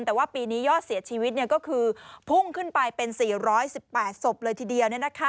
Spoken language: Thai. แต่ว่าปีนี้ยอดเสียชีวิตก็คือพุ่งขึ้นไปเป็น๔๑๘ศพเลยทีเดียว